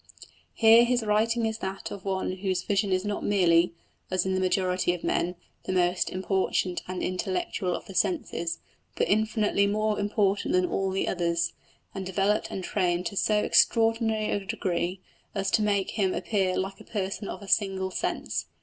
Here his writing is that of one whose vision is not merely, as in the majority of men, the most important and intellectual of the senses, but so infinitely more important than all the others, and developed and trained to so extraordinary a degree, as to make him appear like a person of a single sense.